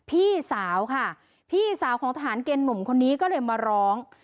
พี่สาวค่ะพี่สาวของทหารเกณฑ์หนุ่มคนนี้ก็เลยมาร้อง